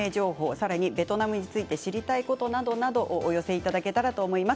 さらにベトナムについて知りたいことなどお寄せいただけたらと思います。